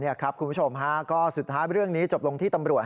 นี่ครับคุณผู้ชมฮะก็สุดท้ายเรื่องนี้จบลงที่ตำรวจ